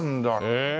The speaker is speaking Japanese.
へえ。